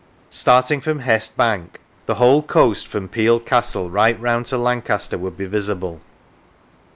Starting from Hest Bank the whole coast from Peel Castle right round to Lancaster would be visible.